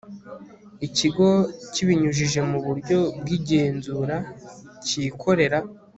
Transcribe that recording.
Ikigo kibinyujije mu buryo bw igenzura cyikorera